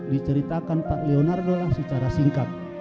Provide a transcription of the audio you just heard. diceritakan pak leonardo lah secara singkat